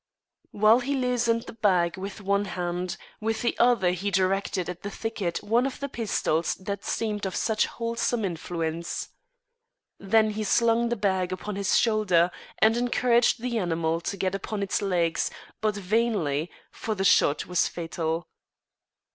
While he loosened the bag with one hand, with the other he directed at the thicket one of the pistols that seemed of such wholesome influence. Then he slung the bag upon his shoulder and encouraged the animal to get upon its legs, but vainly, for the shot was fatal.